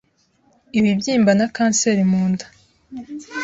Ibibyimba na kanseri munda